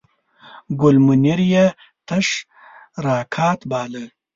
ګل منیر یې تش راکات باله.